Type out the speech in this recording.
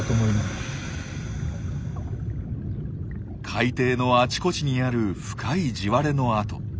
海底のあちこちにある深い地割れの跡。